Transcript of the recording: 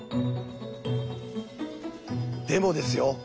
でもですよ